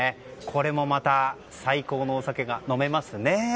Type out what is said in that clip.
これもまた最高のお酒が飲めますね。